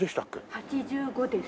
８５です。